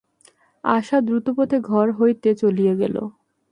আশা দ্রুতপদে ঘর হইতে চলিয়া গেল।